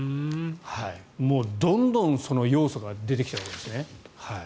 もうどんどんその要素が出てきたわけですね。